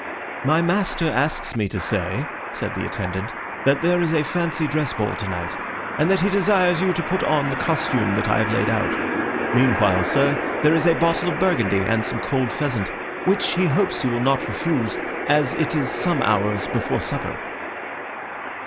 "My master asks me to say," said the attendant, "that there is a fancy dress ball tonight, and that he desires you to put on the costume that I have laid out. Meanwhile, sir, there is a bottle of Burgundy and some cold pheasant, which he hopes you will not refuse, as it is some hours before supper."